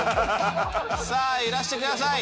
さあ揺らしてください。